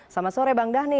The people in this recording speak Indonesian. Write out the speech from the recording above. selamat sore bang dhanil